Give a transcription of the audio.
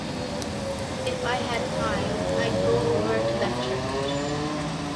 If I had time I'd go over to that church.